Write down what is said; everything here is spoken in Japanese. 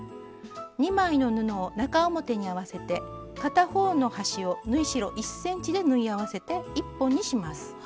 ２枚の布を中表に合わせて片方の端を縫い代１ｃｍで縫い合わせて１本にします。